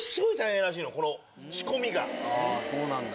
ああそうなんだ。